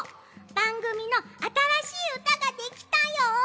ばんぐみのあたらしいうたができたよ！